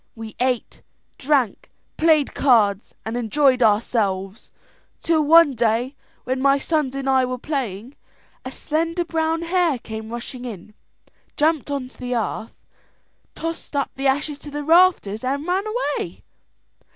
We ate, drank, played cards, and enjoyed ourselves, till one day when my sons and I were playing, a slender brown hare came rushing in, jumped on to the hearth, tossed up the ashes to the rafters and ran away.